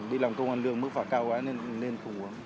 đi làm công an lương mức phả cao quá nên không uống